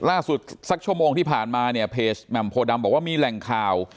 สักชั่วโมงที่ผ่านมาเนี่ยเพจแหม่มโพดำบอกว่ามีแหล่งข่าว